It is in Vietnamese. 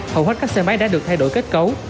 hầu hết các xe máy đã được thay đổi kết cấu